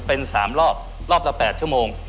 เป็น๓รอบรอบละ๘ชั่วโมง